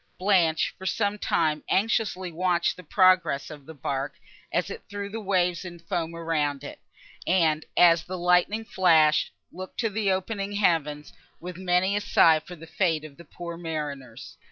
Blanche, for some time, anxiously watched the progress of the bark, as it threw the waves in foam around it, and, as the lightnings flashed, looked to the opening heavens, with many a sigh for the fate of the poor mariners.